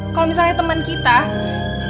kalo misalnya teman teman